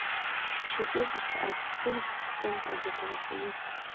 • شیدې د ساه اخیستنې سیستم ته ګټه رسوي.